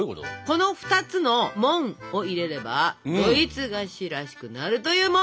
この２つの「モン」を入れればドイツ菓子らしくなるというモン。